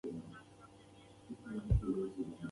ما د ډیپلوماسي او اقتصاد پیژندنې اړوند مقدماتي موضوعات وڅیړل